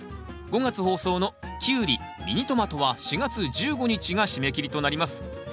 ５月放送のキュウリミニトマトは４月１５日が締め切りとなります。